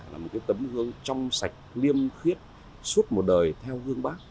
là một tấm gương trong sạch liêm khiết